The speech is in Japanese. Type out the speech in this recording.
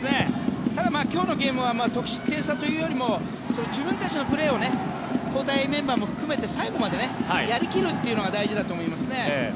ただ、今日のゲームは得失点差というよりも自分たちのプレーを交代メンバーも含めて最後までやり切るというのが大事だと思いますね。